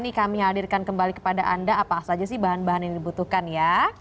ini kami hadirkan kembali kepada anda apa saja sih bahan bahan yang dibutuhkan ya